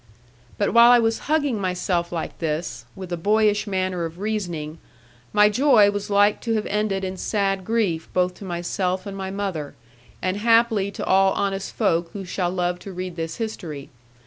But while I was hugging myself like this, with a boyish manner of reasoning, my joy was like to have ended in sad grief both to myself and my mother, and haply to all honest folk who shall love to read this history.